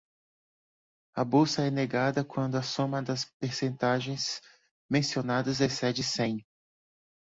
A bolsa é negada quando a soma das percentagens mencionadas excede cem.